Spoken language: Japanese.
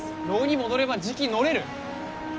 牢に戻ればじき乗れる。